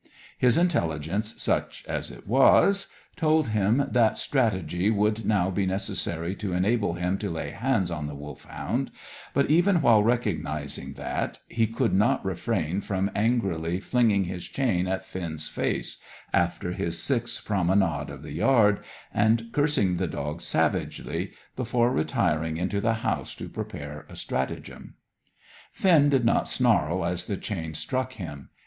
His intelligence, such as it was, told him that strategy would now be necessary to enable him to lay hands on the Wolfhound; but, even while recognising that, he could not refrain from angrily flinging his chain in Finn's face, after his sixth promenade of the yard, and cursing the dog savagely, before retiring into the house to prepare a stratagem. Finn did not snarl as the chain struck him.